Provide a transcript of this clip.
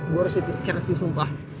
gue harus hitis kerasi sumpah